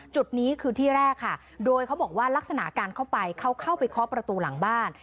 จุดนี้คือที่แรกค่ะโดยเขาบอกว่าลักษณะการเข้าไปเขาเข้าไปเคาะประตูหลังบ้าน